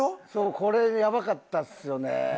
これやばかったですよね。